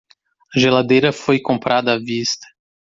A geladeira foi comprada à vista.